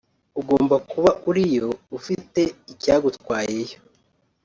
ugomba kuba uriyo ufite icyagutwayeyo